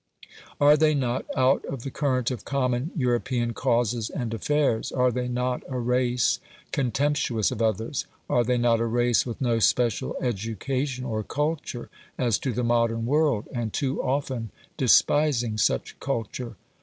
Are they not out of the current of common European causes and affairs? Are they not a race contemptuous of others? Are they not a race with no special education or culture as to the modern world, and too often despising such culture?